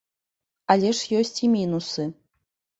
Але ж ёсць і мінусы.